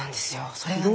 それがね